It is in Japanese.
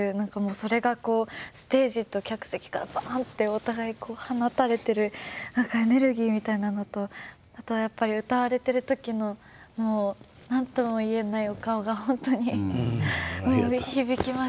それがステージと客席からバーンってお互い放たれてるエネルギーみたいなのとあとはやっぱり歌われてる時のもう何とも言えないお顔がほんとに響きました。